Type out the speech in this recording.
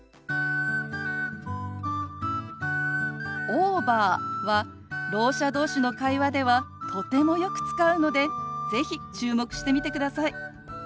「オーバー」はろう者同士の会話ではとてもよく使うので是非注目してみてください。